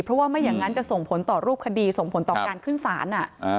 เพราะว่าไม่อย่างนั้นจะส่งผลต่อรูปคดีส่งผลต่อการขึ้นศาล